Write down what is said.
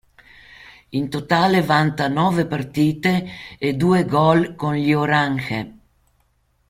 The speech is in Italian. In totale vanta nove partite e due gol con gli oranje.